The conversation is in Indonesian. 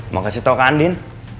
mau kasih tau ke andin